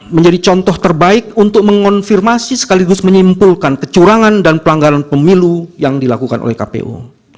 menjadi contoh terbaik untuk mengonfirmasi sekaligus menyimpulkan kecurangan dan pelanggaran pemilu yang dilakukan oleh kpu